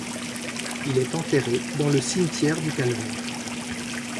Il est enterré dans le cimetière du Calvaire.